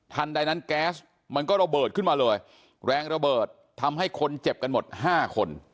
ใดนั้นแก๊สมันก็ระเบิดขึ้นมาเลยแรงระเบิดทำให้คนเจ็บกันหมดห้าคน